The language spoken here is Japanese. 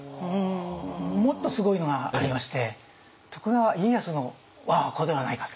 もっとすごいのがありまして徳川家康の我が子ではないかと。